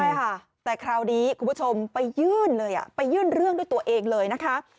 ใช่ค่ะแต่คราวนี้คุณผู้ชมไปยื่นเรื่องด้วยตัวเองเลยนะคะ